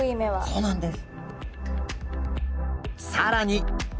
そうなんです。